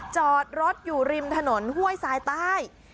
จอดรถอยู่ริมถนนห้วยทรายใต้